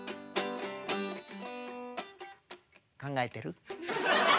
考えてる？